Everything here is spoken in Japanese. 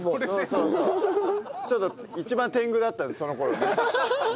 ちょっと一番天狗だったんでその頃ね。